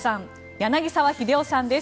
柳澤秀夫さんです。